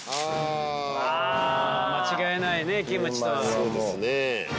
そうですね。